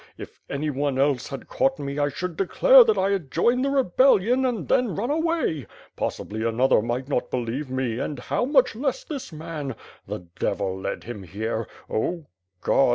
If anyone else had caught me, I should declare that I had joined the rebellion, and then run a/way. Possibly, another might not believe me and, how much less this man? The devil led him here — Oh God!